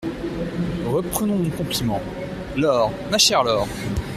Reprenons mon compliment. "Laure ma chère Laure !…